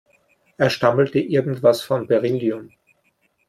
Er stammelte irgendwas von Beryllium.